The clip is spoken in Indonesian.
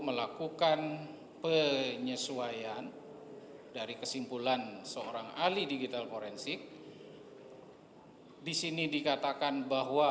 melakukan penyesuaian dari kesimpulan seorang ahli digital forensik disini dikatakan bahwa